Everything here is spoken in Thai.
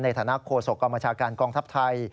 ในฐานะโคศกรมบัญชาการกองทัพไทย